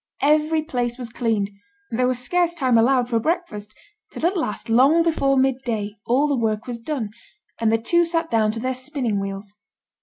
Every place was cleaned; there was scarce time allowed for breakfast; till at last, long before mid day, all the work was done, and the two sat down to their spinning wheels.